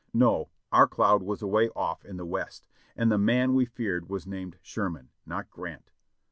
No! our cloud was away off in the West, and the man we feared was named Sherman, not Grant.